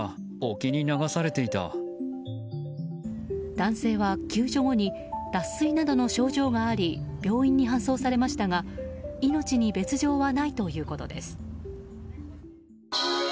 男性は救助後に脱水などの症状があり病院に搬送されましたが命に別条はないということです。